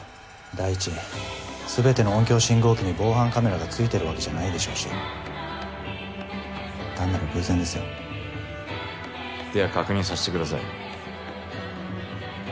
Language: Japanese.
第一すべての音響信号機に防犯カメラがついてるわけじゃないでしょうし単なる偶然ですよ。では確認させてください。